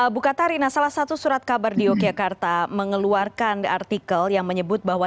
bukatarina salah satu surat kabar di yogyakarta mengeluarkan artikel yang menyebut bahwa